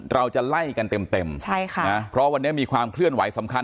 เราจะไล่กันเต็มเต็มใช่ค่ะนะเพราะวันนี้มีความเคลื่อนไหวสำคัญ